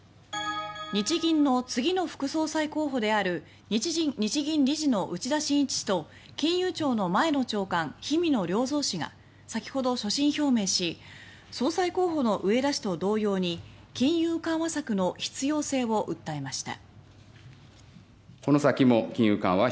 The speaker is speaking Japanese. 日銀の次の副総裁候補である日銀理事の内田眞一氏と金融庁の前の長官氷見野良三氏が先ほど、所信表明し総裁候補の植田氏と同様に金融緩和策の必要性を訴えました。